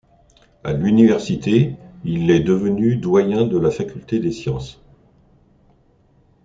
À l'université, il est devenu doyen de la faculté des sciences.